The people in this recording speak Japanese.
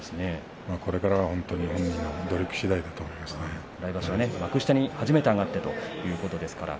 これから来場所は幕下に初めて上がってということです。